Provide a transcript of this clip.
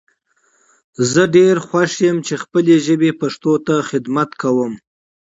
زه ډیر خوښ یم چی خپلې ژبي پښتو ته خدمت کوم